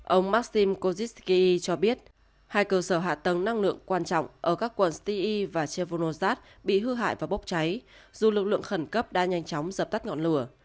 ông maksim koziskiy cho biết hai cơ sở hạ tầng năng lượng quan trọng ở các quận styi và chevolnozad bị hư hại và bốc cháy dù lực lượng khẩn cấp đã nhanh chóng dập tắt ngọn lửa